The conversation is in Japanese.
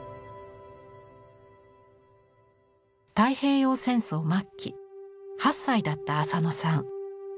太平洋戦争末期８歳だった浅野さん。